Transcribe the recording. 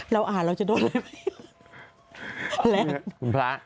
เราอ่านเราจะโดนอะไร